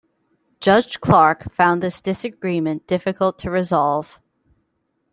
Judge Clark found this disagreement difficult to resolve.